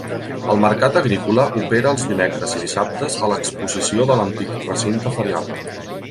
El mercat agrícola opera els dimecres i dissabtes a l'exposició de l'antic recinte ferial.